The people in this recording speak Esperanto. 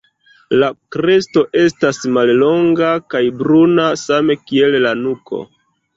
La kresto estas mallonga kaj bruna same kiel la nuko.